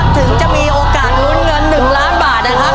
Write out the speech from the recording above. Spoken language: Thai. ถึงจะมีโอกาสลุ้นเงิน๑ล้านบาท